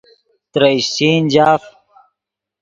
ترے اشچین جاف